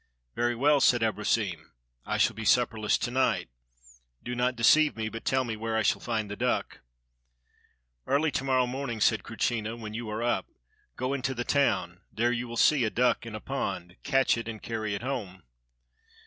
"Very well," said Abrosim. "I shall be supperless to night. Do not deceive me, but tell me where I shall find the duck." "Early to morrow morning," said Krutschina, "when you are up, go into the town; there you will see a duck in a pond, catch it, and carry it home."